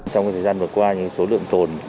trong thời gian vừa qua số lượng tồn